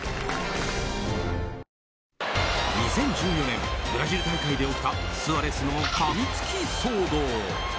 ２０１４年ブラジル大会で起きたスアレスのかみつき騒動。